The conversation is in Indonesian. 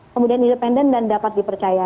kemudian independen dan dapat dipercaya